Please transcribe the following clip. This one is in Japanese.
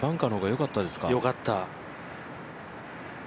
良かった。